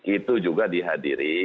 itu juga dihadiri